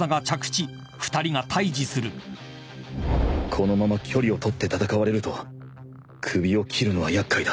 このまま距離を取って戦われると首を斬るのは厄介だ